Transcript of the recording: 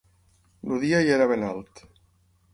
El dia ja era ben alt.